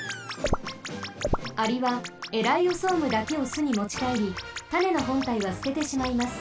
アリはエライオソームだけをすにもちかえりたねのほんたいはすててしまいます。